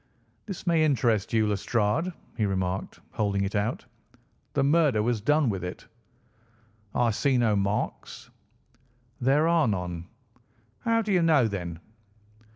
"This may interest you, Lestrade," he remarked, holding it out. "The murder was done with it." "I see no marks." "There are none." "How do you know, then?"